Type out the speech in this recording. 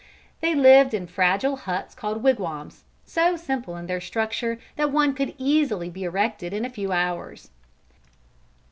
They lived in fragile huts called wigwams, so simple in their structure that one could easily be erected in a few hours.